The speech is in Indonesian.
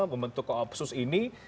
membentuk koopsus ini